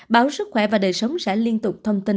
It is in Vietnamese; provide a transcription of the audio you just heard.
báo sức khỏe và đời sống sẽ liên tục thông tin